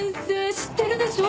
知ってるでしょ？